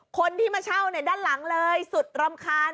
คนที่มาเช่าด้านหลังเลยสุดรำคาญ